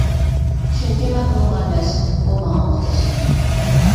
چۈنكى مەن ئۇنىڭغا ئەمەس ئۇ ماڭا موھتاج ئىدى.